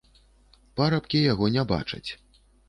Парабкі яго не бачаць.